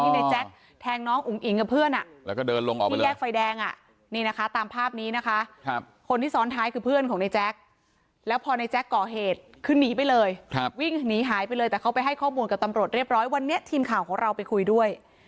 ในแจ๊คแทงน้องอุ๋งอิ๋งกับเพื่อนแล้วก็เดินลงออกที่แยกไฟแดงอ่ะนี่นะคะตามภาพนี้นะคะคนที่ซ้อนท้ายคือเพื่อนของในแจ๊คแล้วพอในแจ๊กก่อเหตุคือหนีไปเลยวิ่งหนีหายไปเลยแต่เขาไปให้ข้อมูลกับตำรวจเรียบร้อยวันนี้ทีมข่าวของเราไปคุยด้วย